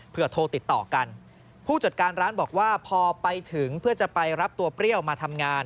เพื่อโทรติดต่อกันผู้จัดการร้านบอกว่าพอไปถึงเพื่อจะไปรับตัวเปรี้ยวมาทำงาน